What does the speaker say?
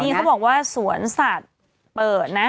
นี่เขาบอกว่าสวนสัตว์เปิดนะ